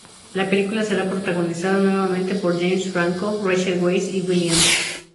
La película será protagonizada nuevamente por James Franco, Rachel Weisz y Williams.